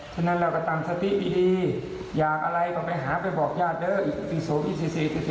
ฉะนั้นเราก็ตามสติปีดีอยากอะไรก็ไปหาไปบอกญาติเด้อ